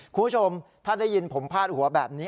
คุณผู้ชมถ้าได้ยินผมพาดหัวแบบนี้